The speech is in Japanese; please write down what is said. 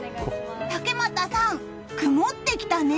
竹俣さん、曇ってきたね。